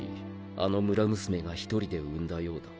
あの村娘が１人で産んだようだ。